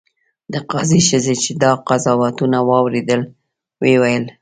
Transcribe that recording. د قاضي ښځې چې دا قضاوتونه واورېدل ویې ویل.